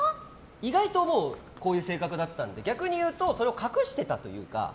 意外とこういう性格だったので逆に言うとそれを隠してたというか。